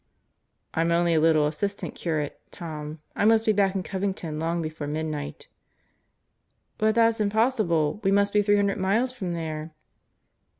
"I'm only a little assistant curate, Tom. I must be back in Covington long before midnight." "But that's impossible. We must be three hundred miles from there."